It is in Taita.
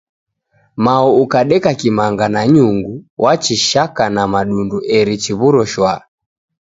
Mao ukadeka kimanga na nyungu, wachishaka na madundu eri chiw'uro nicha.